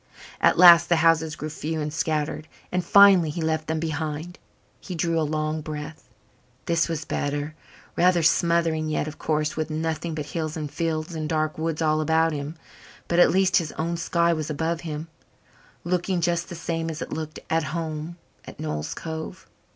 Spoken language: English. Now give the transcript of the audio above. At last the houses grew few and scattered, and finally he left them behind. He drew a long breath; this was better rather smothering yet, of course, with nothing but hills and fields and dark woods all about him, but at least his own sky was above him, looking just the same as it looked out home at Noel's Cove.